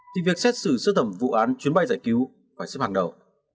thì việc xét xử sơ thẩm vụ án chuyến bay giải cứu phải xếp hàng đầu